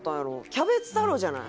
キャベツ太郎じゃない？